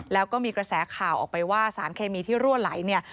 แล้วก็มีกระแสข่าวออกไปว่าสารเคมีที่รั่วไหลเนี่ย